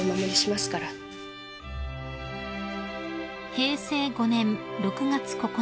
［平成５年６月９日